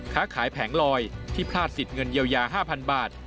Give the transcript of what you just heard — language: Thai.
ค้าขายแผงลอยที่พลาดสิทธิ์เงินเยียวยา๕๐๐๐บาท